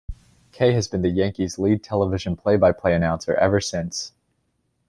Kay has been the Yankees' lead television play-by-play announcer ever since.